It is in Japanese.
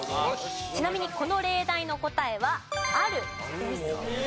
ちなみにこの例題の答えはあるです。